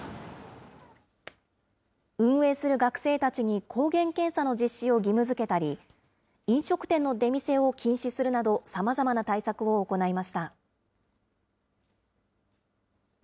運営する学生たちに抗原検査の実施を義務づけたり、飲食店の出店を禁止するなど、さまざまな対策を行いました。